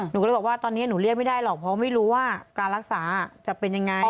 หนูก็เลยบอกว่าตอนนี้หนูเรียกไม่ได้หรอกเพราะไม่รู้ว่าการรักษาจะเป็นยังไง